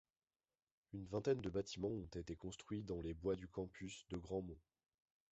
Une vingtaine de bâtiments ont été construits dans les bois du campus de Grandmont.